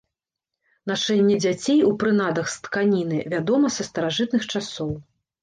Нашэнне дзяцей у прынадах з тканіны вядома са старажытных часоў.